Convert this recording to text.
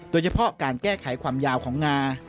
โดยเฉพาะการแก้ไขความยาวของงา